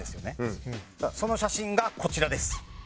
その写真がこちらです。